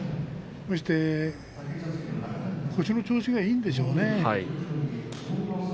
そして腰の調子がいいんでしょうね。